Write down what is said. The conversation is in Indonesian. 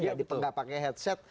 gak dipenggak pakai headset